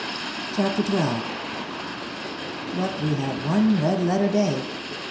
CHAPTER XII But we had one red letter day.